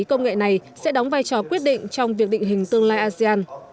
công nghệ này sẽ đóng vai trò quyết định trong việc định hình tương lai asean